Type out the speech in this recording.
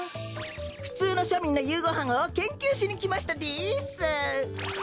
ふつうのしょみんのゆうごはんをけんきゅうしにきましたです！